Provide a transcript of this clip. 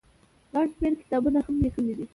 ګڼ شمېر کتابونه هم ليکلي دي